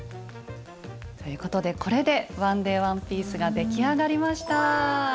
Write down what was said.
ということでこれで１ｄａｙワンピースが出来上がりました。